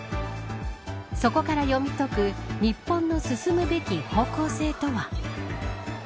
そこから読み解く日本の進むべき方向性とは。